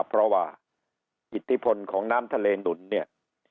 เพราะว่าอิทธิพลของน้ำทะเลหนุนเนี่ย